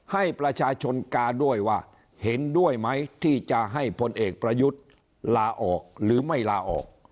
ให้ประชาชนกาด้วยว่าเห็นด้วยไหมที่จะให้พลเอกประยุทธ์ลาออกหรือไม่ลาออก